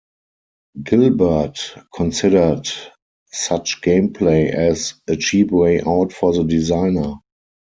Gilbert considered such gameplay as "a cheap way out for the designer".